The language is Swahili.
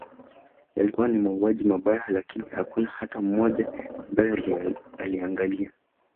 Yalikuwa ni mauaji mabaya lakini hakuna hata mtu mmoja ambaye aliangalia